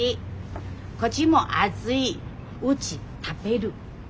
こっちも熱いうち食べる。